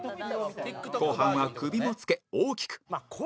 後半は首もつけ大きく